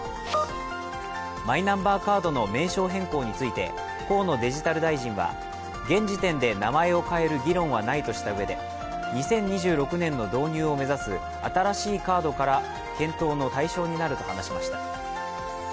マイナンバーカードの名称変更について河野デジタル大臣は現時点で名前を変える議論はないとしたうえで２０２６年の導入を目指す新しいカードから検討の対象になると話しました。